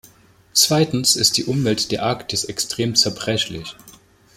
Zweitens ist die Umwelt der Arktis extrem zerbrechlich.